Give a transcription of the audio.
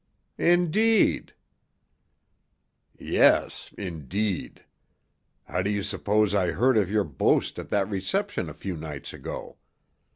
"Indeed?" "Yes—indeed! How do you suppose I heard of your boast at that reception a few nights ago?